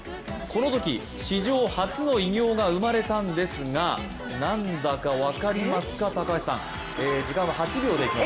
このとき、史上初の偉業が生まれたんですが、なんだか分かりますか、高橋さん。